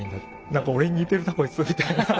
「何か俺に似てるなこいつ」みたいな。